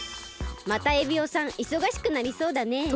またエビオさんいそがしくなりそうだねえ。